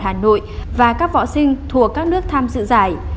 hội võ thuật hà nội và các võ sinh thuộc các nước tham dự giải